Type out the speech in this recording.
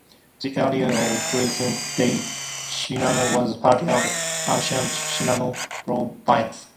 The area of present-day Shinano was part of ancient Shinano Province.